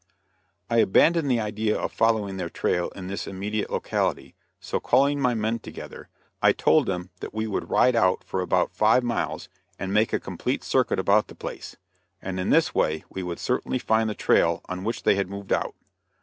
I abandoned the idea of following their trail in this immediate locality, so calling my men together, I told them that we would ride out for about five miles and make a complete circuit about the place, and in this way we would certainly find the trail on which they had moved out.